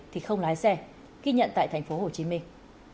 thì không lái xe ghi nhận tại thành phố hồ chí minh